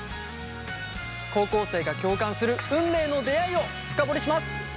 高校生が共感する運命の出会いを深掘りします。